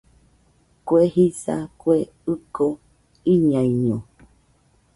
Kue jisa, Kue ɨko iñaiño